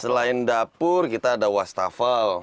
selain dapur kita ada wastafel